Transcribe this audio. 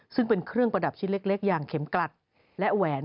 ซึ่งเป็นเครื่องประดับชิ้นเล็กอย่างเข็มกลัดและแหวน